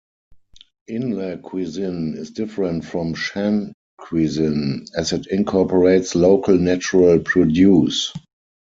Inle cuisine is different from Shan cuisine, as it incorporates local natural produce.